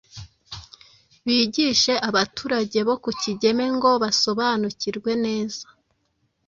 bigishe abaturage bo ku Kigeme ngo basobanukirwe neza